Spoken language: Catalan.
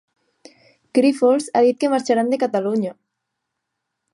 Grífols ha dit que marxaran de Catalunya.